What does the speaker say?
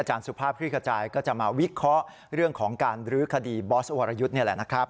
สุภาพคลิกขจายก็จะมาวิเคราะห์เรื่องของการรื้อคดีบอสวรยุทธ์นี่แหละนะครับ